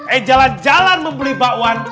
eh jalan jalan membeli bakwan